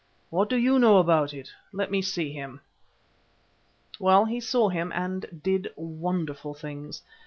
"What do you know about it? Let me see him." Well, he saw him and did wonderful things.